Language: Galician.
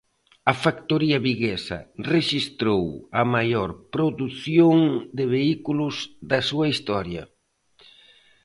A factoría viguesa rexistrou a maior produción de vehículos da súa historia.